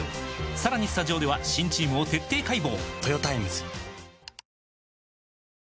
さらにスタジオでは新チームを徹底解剖！